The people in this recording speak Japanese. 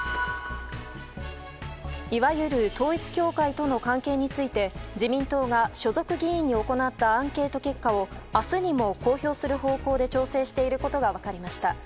いわゆる統一教会との関係について自民党が所属議員に行ったアンケート結果を明日にも公表する方向で調整していることが分かりました。